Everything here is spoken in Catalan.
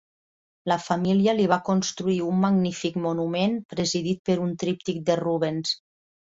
La família li va construir un magnífic monument presidit per un tríptic de Rubens.